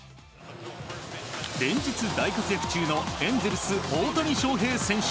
連日大活躍中のエンゼルス大谷翔平選手。